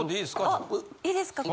あいいですか？